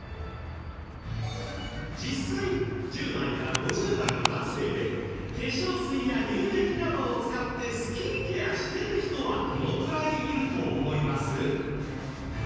実際１０代から５０代の男性で化粧水や乳液などを使ってスキンケアしてる人はどのくらいいると思います？